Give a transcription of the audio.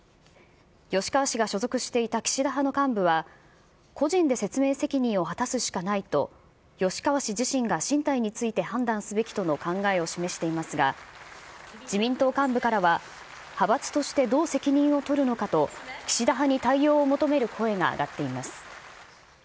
吉川氏が所属していた岸田派の幹部は、個人で説明責任を果たすしかないと吉川氏自身が進退について判断すべきとの考えを示していますが、自民党幹部からは派閥としてどう責任を取るのかと、岸田派に対応を求める声が上がっています。